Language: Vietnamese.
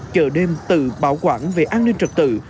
chợ đêm tự bảo quản về an ninh trật tự